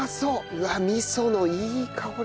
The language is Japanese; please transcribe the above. うわっ味噌のいい香りだよ